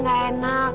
saya gak enak